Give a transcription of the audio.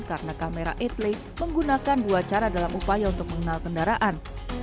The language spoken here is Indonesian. karena kamera etle menggunakan dua cara dalam upaya untuk mengenal kendaraan